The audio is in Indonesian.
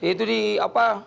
itu di apa